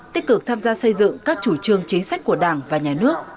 tích cực tham gia xây dựng các chủ trương chính sách của đảng và nhà nước